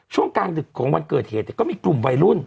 ช่วงกลางดึกของวันเกิดเหตุก็มีกลุ่มวัยรุ่น